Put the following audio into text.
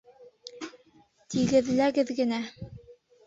Тигеҙләгеҙ генә